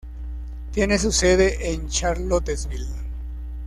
Tiene su sede en Charlottesville.